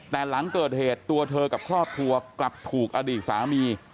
แต่หลังเกิดเหตุตัวเธอกับครอบครัวกลับถูกอดีตสามี